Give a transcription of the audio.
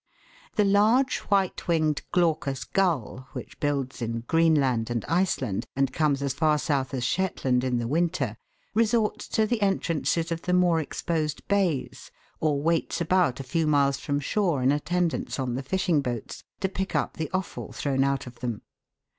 The large white winged Glaucous gull, which builds in Greenland and Iceland, and comes as far south as Shetland in the winter, resorts to the entrances of the more exposed bays, or waits about a few miles from shore in attendance on the fishing boats, to pick up the offal thrown out of them.